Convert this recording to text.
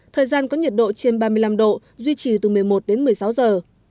thời gian có nhiệt độ trên ba mươi năm độ duy trì từ một mươi một đến một mươi sáu giờ